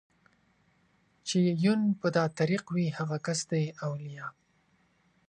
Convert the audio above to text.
چې يې يون په دا طريق وي هغه کس دئ اوليا